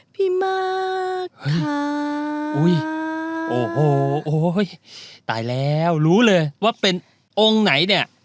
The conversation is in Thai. พี่มากค่ะอุ้ยโอ้โหโอ้ยตายแล้วรู้เลยว่าเป็นองค์ไหนเนี้ย